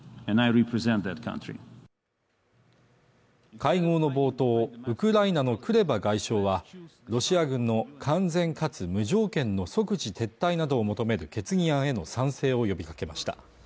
会合の冒頭、ウクライナのクレバ外相はロシア軍の完全かつ無条件の即時撤退などを求める決議案への賛成を呼びかけました。